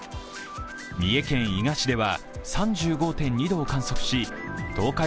三重県伊賀市では３５．２度を観測し東海